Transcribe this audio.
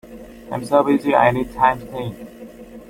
I'm so busy, I need time to think.